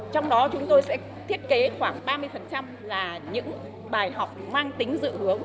trong đó chúng tôi sẽ thiết kế khoảng ba mươi là những bài học mang tính dự hướng